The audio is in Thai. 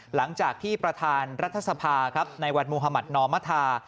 หลังจากที่ประธานรัฐสภาครับในวันมุธมัธนอมธา